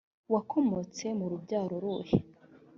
wakomotse mu rubyaro ruhe